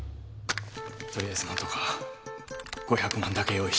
とりあえず何とか５００万だけ用意した。